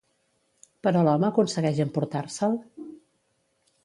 Però l'home aconsegueix emportar-se'l?